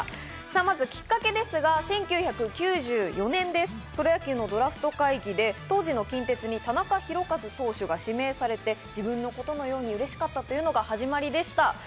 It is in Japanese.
まずきっかけですが、１９９４年、プロ野球のドラフト会議で当時の近鉄に田中宏和投手が指名されて自分のことのように、うれしかったというのが始まりでした。